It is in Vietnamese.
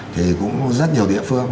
thì cũng rất nhiều địa phương